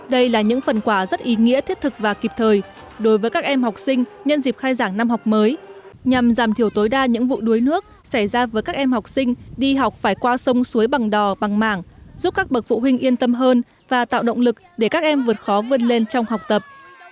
đây là những phần quà rất ý nghĩa thiết thực và kịp thời đối với các em học sinh nhân dịp khai giảng năm học mới nhằm giảm thiểu tối đa những vụ đuối nước xảy ra với các em học sinh đi học phải qua sông suối bằng đò bằng mảng giúp các bậc phụ huynh yên tâm hơn và tạo động lực để các em vượt khó vươn lên trong học tập